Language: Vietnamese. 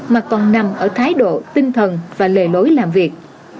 mà còn nằm ở thái độ tinh thần và lề lối làm việc